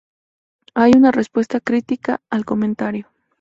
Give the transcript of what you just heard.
Hay una respuesta crítica al comentario.